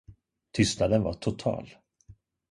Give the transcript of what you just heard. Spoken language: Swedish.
Tystnaden var total.